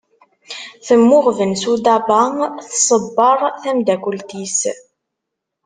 Temmuɣben Sudaba, tṣebber tamdakelt-is.